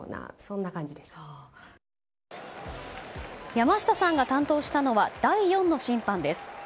山下さんが担当したのは第４の審判です。